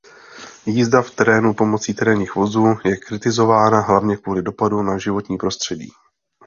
Jízda v terénu pomocí terénních vozů je kritizována hlavně kvůli dopadu na životní prostředí.